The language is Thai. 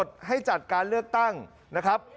วิจันทร์อีกครั้งนะ